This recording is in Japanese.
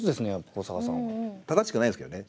正しくないですけどね